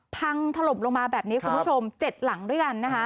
พังถล่มลงมาแบบนี้คุณผู้ชม๗หลังด้วยกันนะคะ